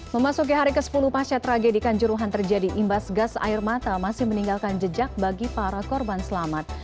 memasuki hari ke sepuluh pasca tragedi kanjuruhan terjadi imbas gas air mata masih meninggalkan jejak bagi para korban selamat